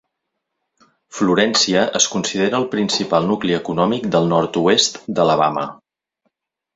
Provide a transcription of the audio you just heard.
Florència es considera el principal nucli econòmic del nord-oest d'Alabama.